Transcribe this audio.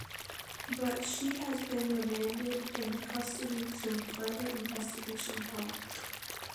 But she has been remanded in the custody till further investigation held.